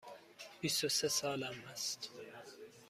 بیست و سه سالم است.